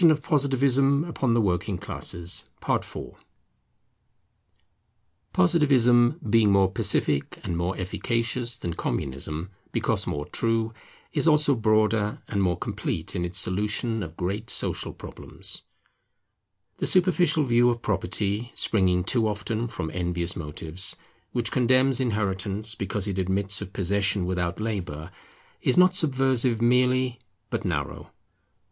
[Inheritance favourable to its right employment] Positivism, being more pacific and more efficacious than Communism, because more true, is also broader and more complete in its solution of great social problems. The superficial view of property, springing too often from envious motives, which condemns Inheritance because it admits of possession without labour, is not subversive merely, but narrow.